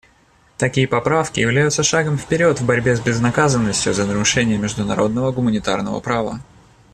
Такие поправки являются шагом вперед в борьбе с безнаказанностью за нарушения международного гуманитарного права.